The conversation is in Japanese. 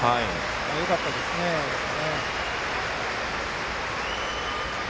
よかったですね、戻れて。